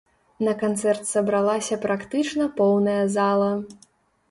На канцэрт сабралася практычна поўная зала.